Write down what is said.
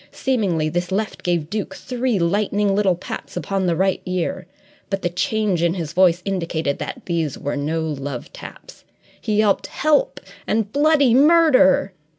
Seemingly this left gave Duke three lightning little pats upon the right ear, but the change in his voice indicated that these were no love taps. He yelled "help!" and "bloody murder!"